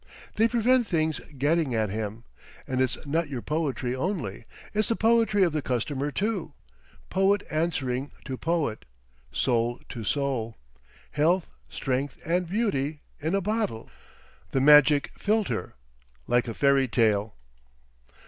They prevent things getting at him. And it's not your poetry only. It's the poetry of the customer too. Poet answering to poet—soul to soul. Health, Strength and Beauty—in a bottle—the magic philtre! Like a fairy tale....